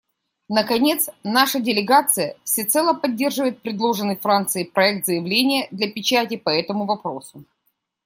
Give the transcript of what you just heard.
Наконец, наша делегация всецело поддерживает предложенный Францией проект заявления для печати по этому вопросу.